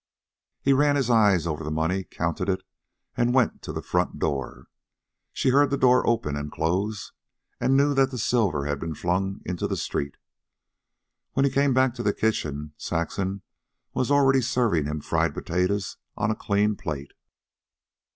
He ran his eye over the money, counted it, and went to the front door. She heard the door open and close, and knew that the silver had been flung into the street. When he came back to the kitchen, Saxon was already serving him fried potatoes on a clean plate.